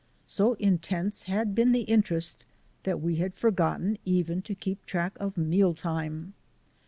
So intense had been the interest that we had forgotten even to keep track of mealtime.